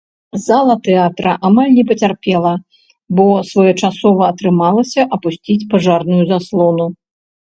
Зала тэатра амаль не пацярпела, бо своечасова атрымалася апусціць пажарную заслону.